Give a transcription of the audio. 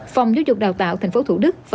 phòng làn sửùn đào tạo tp thdv